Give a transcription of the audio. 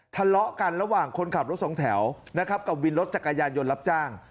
ทะเลาะกันระหว่างคนขับรถสองแถวนะครับกับวินรถจักรยานยนต์รับจ้าง